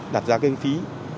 đặt ra cái phí